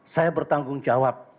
saya bertanggung jawab